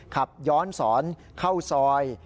ขับย้อนสอนเข้าซอย